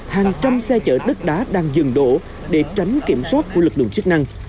hàng trăm xe chở đất đá đang dừng đổ để tránh kiểm soát của lực lượng chức năng